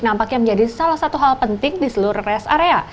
nampaknya menjadi salah satu hal penting di seluruh rest area